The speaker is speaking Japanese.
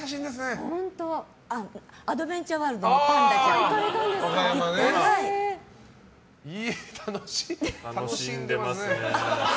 アドベンチャーワールドの楽しんでますね。